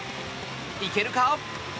行けるか？